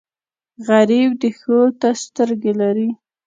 غریب د ښو ته سترګې لري